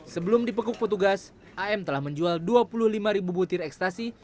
sebelum dipekuk petugas am telah menjual dua puluh lima ribu butir ekstasi